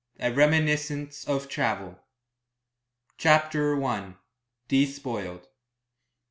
A REMINISCENCE OF TRAVEL. CHAPTER I. DESPOILED.